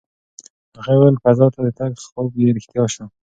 هغې وویل فضا ته د تګ خوب یې رښتیا شو.